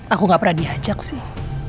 aku gak pernah diajak sih